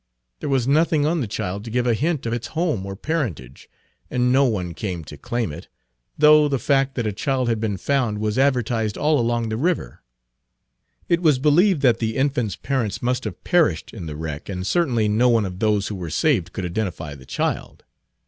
There was nothing on the child to give a hint of its home or parentage; and no one came to claim Page 46 it, though the fact that a child had been found was advertised all along the river. It was believed that the infant's parents must have perished in the wreck, and certainly no one of those who were saved could identify the child.